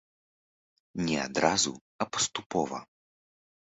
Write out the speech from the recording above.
Не адразу, а паступова.